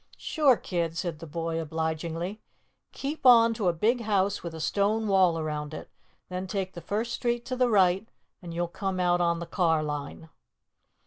"Sure, kid," said the boy obligingly. "Keep on to a big house with a stone wall around it. Then take the first street to the right and you'll come out on the car line."